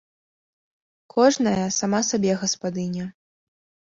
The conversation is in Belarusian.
Кожная сама сабе гаспадыня.